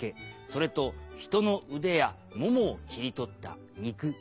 それと人の腕やももを切り取った肉。